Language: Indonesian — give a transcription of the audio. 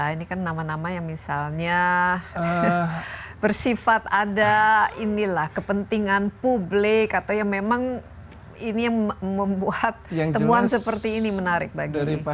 ada nama nama yang misalnya bersifat ada kepentingan publik atau yang memang membuat temuan seperti ini menarik bagi media